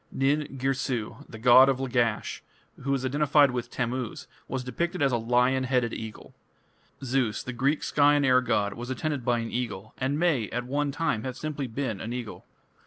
Nin Girsu, the god of Lagash, who was identified with Tammuz, was depicted as a lion headed eagle. Zeus, the Greek sky and air god, was attended by an eagle, and may, at one time, have been simply an eagle.